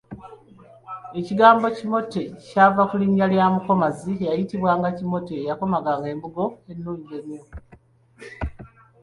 Ekigambo kimote kyava ku linnya lya mukomazi eyayitibwanga Kimote eyakomaganga embugo ennungi ennyo.